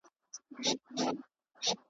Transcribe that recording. ته هم وایه ژوند دي څرنګه تیریږي .